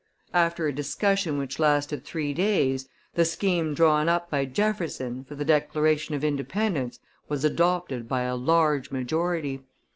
After a discussion which lasted three days, the scheme drawn up by Jefferson, for the declaration of Independence, was adopted by a large majority.